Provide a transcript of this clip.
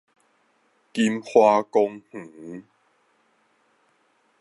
金華公園